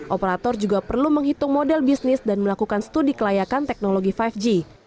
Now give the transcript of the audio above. operator juga perlu menghitung model bisnis dan melakukan studi kelayakan teknologi lima g